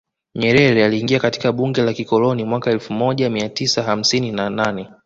Nyerere aliingia katika bunge la kikoloni mwaka elfu moja mia tisa hamsini na nane